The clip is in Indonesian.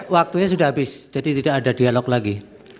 waktunya sudah habis jadi tidak ada dialog lagi